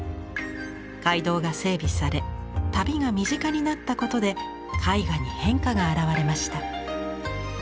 街道が整備され旅が身近になったことで絵画に変化が現れました。